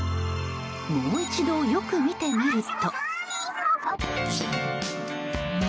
もう一度よく見てみると。